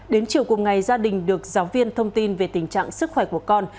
đến chiều cùng ngày gia đình được giáo viên thông tin về tình trạng sức khỏe của con